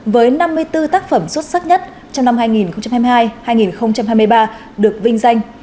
với năm mươi bốn tác phẩm xuất sắc nhất trong năm hai nghìn hai mươi hai hai nghìn hai mươi ba được vinh danh